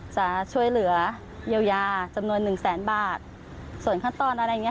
จะช่วยเหลือเยียวยาจำนวนหนึ่งแสนบาทส่วนขั้นตอนอะไรอย่างเง